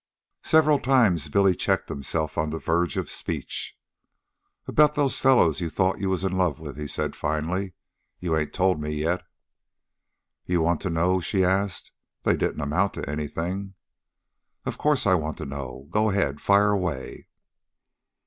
Several times Billy checked himself on the verge of speech. "About those fellows you thought you was in love with," he said finally. "You ain't told me, yet." "You want to know?" she asked. "They didn't amount to anything." "Of course I want to know. Go ahead. Fire away."